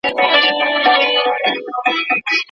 ښځي بې پردې سلام نه اچوي.